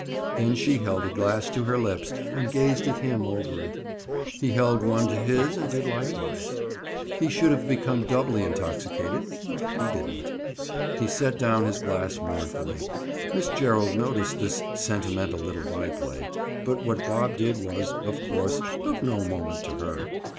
Then she held a glass to her lips and gazed at him over it. He held one to his and did likewise. He should have become doubly intoxicated, but he didn't. He set down his glass mournfully. Miss Gerald noticed this sentimental little byplay, but what Bob did was, of course, of no moment to her.